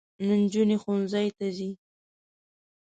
نجوني ښوونځۍ ته ځي